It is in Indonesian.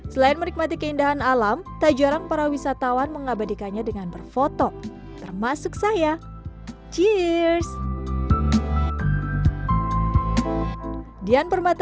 selain menikmati keindahan alam tak jarang para wisatawan mengabadikannya dengan berfoto termasuk saya